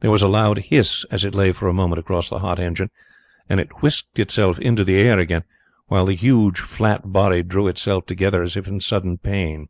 There was a loud hiss as it lay for a moment across the hot engine, and it whisked itself into the air again, while the huge, flat body drew itself together as if in sudden pain.